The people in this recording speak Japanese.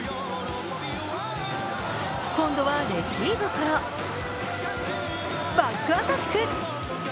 今度はレシーブからバックアタック。